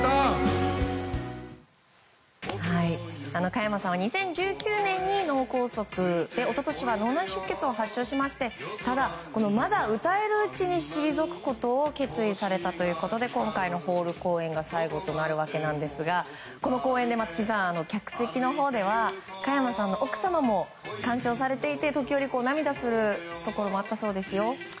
加山さんは２０１９年に脳梗塞で一昨年は脳内出血を発症しましてただ、まだ歌えるうちに退くことを決意されたということで今回のホール公演が最後となるわけなんですがこの公演で松木さん、客席のほうでは加山さんの奥さまも鑑賞されていて時折、涙するところもあったそうですよ。